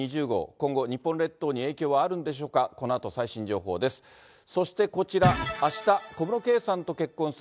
今後、日本列島に影響はあるんでしょうか、このあと最新情報です。